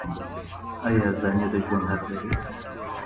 آیا زاني د ژوند حق لري؟